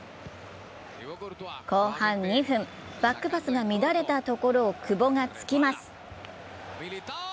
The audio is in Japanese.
後半２分、バックパスが乱れたところを久保が突きます。